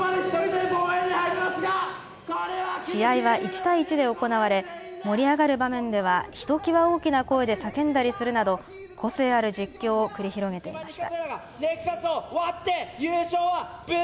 試合は１対１で行われ盛り上がる場面ではひときわ大きな声で叫んだりするなど個性ある実況を繰り広げていました。